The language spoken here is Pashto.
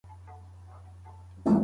ډېر ږدن او پاڼي له کړکۍ څخه راغلي وو.